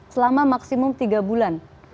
selama maksimum tiga bulan